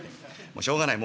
もうしょうがない。